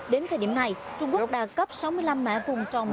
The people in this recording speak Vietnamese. đến thời điểm này trung quốc đã cấp sáu mươi năm mã vùng trồng